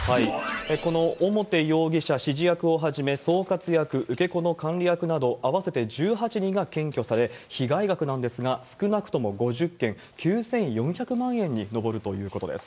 この表容疑者、指示役をはじめ、総括役、受け子の管理役など、合わせて１８人が検挙され、被害額なんですが、少なくとも５０件、９４００万円に上るということです。